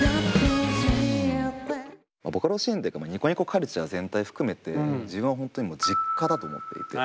ボカロシーンっていうかニコニコカルチャー全体含めて自分は本当に実家だと思っていて。